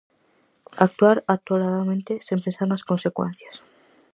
Actuar atoladamente, sen pensar nas consecuencias.